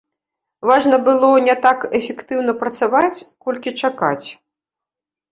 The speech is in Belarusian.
Важна было не так эфектыўна працаваць, колькі чакаць.